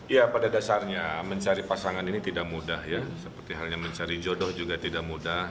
ya pada dasarnya mencari pasangan ini tidak mudah ya seperti halnya mencari jodoh juga tidak mudah